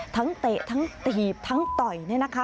ทั้งเตะทั้งตีบทั้งต่อยนะคะ